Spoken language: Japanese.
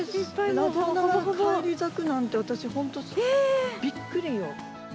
ラッデアナが返り咲くなんて私本当びっくりよ。